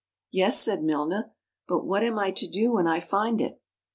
"Yes," said Milna, "but what am I to do when I find it?"